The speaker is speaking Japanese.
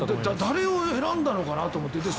誰を選んだのかなと思って。